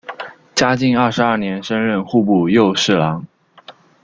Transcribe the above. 嘉靖二十二年升任户部右侍郎。